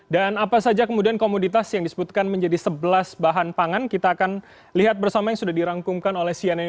dan apa saja kemudian komoditas yang disebutkan menjadi sebelas bahan pangan kita akan lihat bersama yang sudah dirangkumkan oleh sian indonesia